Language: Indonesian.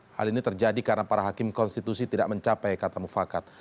hal ini terjadi karena para hakim konstitusi tidak mencapai kata mufakat